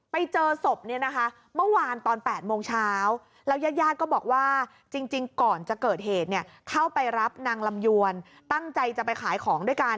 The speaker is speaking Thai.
ไปเจอศพเนี่ยนะคะเมื่อวานตอน๘โมงเช้าแล้วยาดก็บอกว่าจริงก่อนจะเกิดเหตุเนี่ยเข้าไปรับนางลำยวนตั้งใจจะไปขายของด้วยกัน